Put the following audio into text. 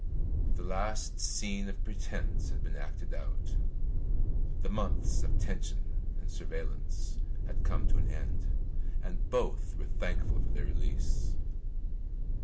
The last scene of pretence had been acted out, the months of tension and surveillance had come to an end, and both were thankful for their release.